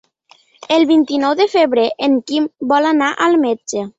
El vint-i-nou de febrer en Quim vol anar al metge.